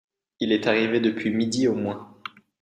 Il est arrivé depuis midi au moins.